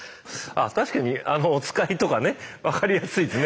確かにあの「おつかい」とかね分かりやすいですね。